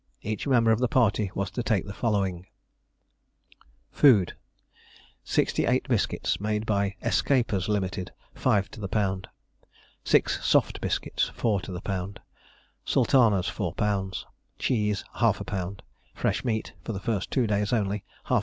Each member of the party was to take the following: Food Sixty eight biscuits, made by "Escapers Ltd.," five to the lb. Six soft biscuits, four to the lb. Sultanas, 4 lb. Cheese, ½ lb. Fresh meat (for the first two days only), ½ lb.